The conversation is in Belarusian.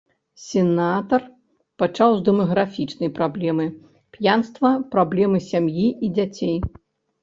Сенатар пачаў з дэмаграфічнай праблемы, п'янства, праблемы сям'і і дзяцей.